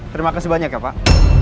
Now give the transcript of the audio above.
terima kasih banyak ya pak